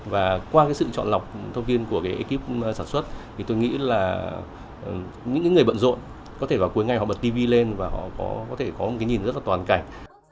và qua cái sự chọn lọc thông tin của cái ekip sản xuất thì tôi nghĩ là những người bận rộn có thể vào cuối ngày họ bật tv lên và họ có thể có một cái nhìn rất là toàn cảnh